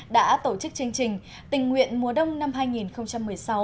đã tổ chức chương trình tình nguyện mùa đông năm hai nghìn một mươi sáu